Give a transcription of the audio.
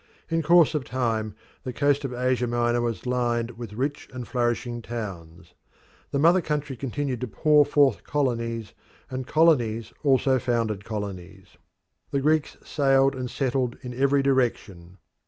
In course of time the coast of Asia Minor was lined with rich and flourishing towns. The mother country continued to pour forth colonies, and colonies also founded colonies. The Greeks sailed and settled in every direction.